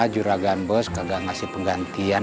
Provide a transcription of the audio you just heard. juragan bos kagak ngasih penggantian